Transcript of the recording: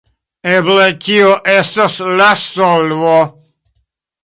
Eble tio estos la solvo.